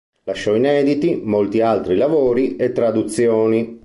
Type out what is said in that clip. Lasciò inediti molti altri lavori e traduzioni.